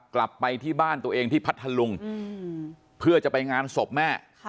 กลับไปที่บ้านตัวเองที่พัทธลุงเพื่อจะไปงานศพแม่